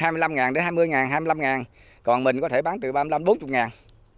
bán hai mươi năm ngàn đến hai mươi ngàn hai mươi năm ngàn còn mình có thể bán từ ba mươi năm bốn mươi ngàn